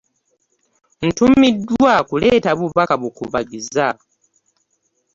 Ntumiddwa kuleeta bubaka bukubagiza.